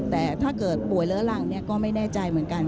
แต่ถ้าเกิดป่วยเลื้อรังก็ไม่แน่ใจเหมือนกัน